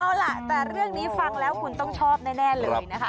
เอาล่ะแต่เรื่องนี้ฟังแล้วคุณต้องชอบแน่เลยนะคะ